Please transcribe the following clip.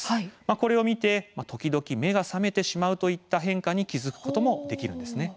これを見て時々、目が覚めてしまうといった変化に気付くこともできます。